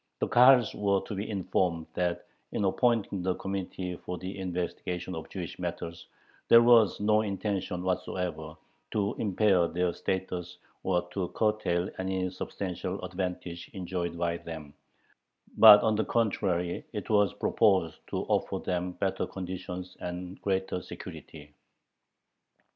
The Kahals were to be informed that "in appointing the Committee for the investigation of Jewish matters," there was "no intention whatsoever to impair their status or to curtail any substantial advantage enjoyed by them," but on the contrary it was proposed to "offer them better conditions and greater security."